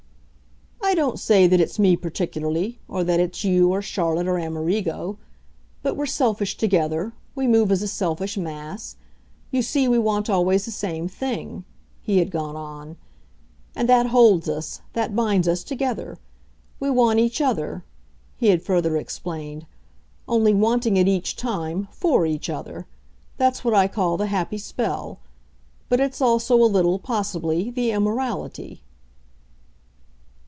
"I don't say that it's me particularly or that it's you or Charlotte or Amerigo. But we're selfish together we move as a selfish mass. You see we want always the same thing," he had gone on "and that holds us, that binds us, together. We want each other," he had further explained; "only wanting it, each time, FOR each other. That's what I call the happy spell; but it's also, a little, possibly, the immorality."